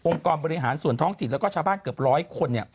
องค์กรบริหารส่วนท้องติดและชาวบ้านเกือบร้อยคน